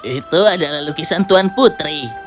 itu adalah lukisan tuan putri